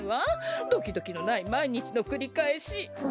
ドキドキのないまいにちのくりかえし。